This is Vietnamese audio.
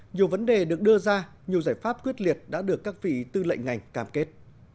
nhiều vấn đề được đưa ra nhiều giải pháp quyết liệt đã được các vị tư lệnh ngành cam kết